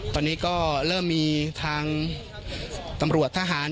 ตอนนี้ก็เริ่มมีทางตำรวจทหาร